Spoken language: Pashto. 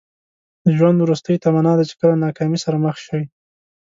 د ژوند وروستۍ تمنا ده چې کله ناکامۍ سره مخ شئ.